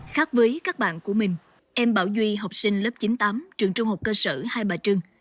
khác với các bạn của mình em bảo duy học sinh lớp chín tám trường trung học cơ sở hai bà trưng